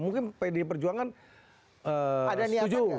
mungkin pd perjuangan setuju